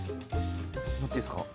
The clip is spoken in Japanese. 乗っていいすか？